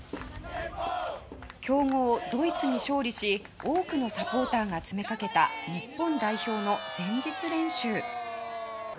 強豪ドイツに勝利し多くのサポーターが詰めかけた日本代表の前日練習。